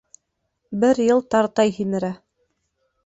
Бер йыл тартай һимерә